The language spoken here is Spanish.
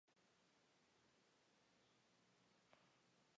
Ha trabajado en prensa escrita, radio y televisión.